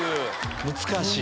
難しい。